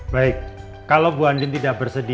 baik kalau bu andin tidak bersedih